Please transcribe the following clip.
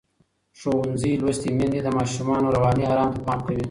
ښوونځې لوستې میندې د ماشومانو رواني آرام ته پام کوي.